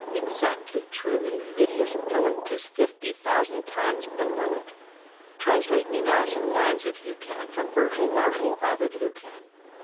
Exactly true! invidious poet! 'Tis fifty thousand times below it. Translate me now some lines, if you can, From Virgil, Martial, Ovid, Lucan.